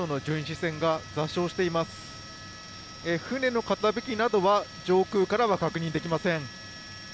船の傾きなどは上空からは確認できません。